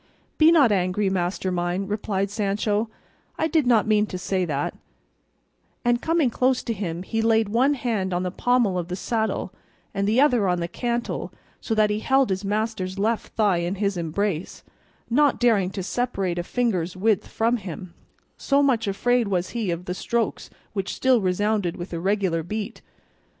"Be not angry, master mine," replied Sancho, "I did not mean to say that;" and coming close to him he laid one hand on the pommel of the saddle and the other on the cantle so that he held his master's left thigh in his embrace, not daring to separate a finger's width from him; so much afraid was he of the strokes which still resounded with a regular beat.